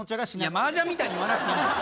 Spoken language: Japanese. マージャンみたいに言わなくていいんだよ！